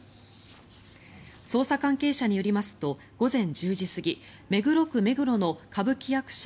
捜査関係者によりますと午前１０時過ぎ、目黒区目黒の歌舞伎役者